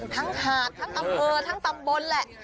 ทั้งหาดทั้งตำเบิร์ทั้งตำบนละ